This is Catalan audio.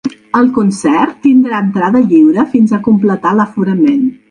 El concert tindrà entrada lliure fins a completar l’aforament.